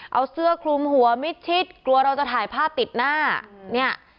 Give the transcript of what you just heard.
เอาเสื้อคลุมหัวมิดชิดกลัวว่าจะถ่ายผ้าติดหน้า